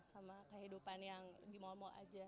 sama kehidupan yang di mall mal aja